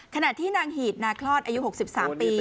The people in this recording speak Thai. ขณะที่นางหีดนาคลอดอายุ๖๓ปี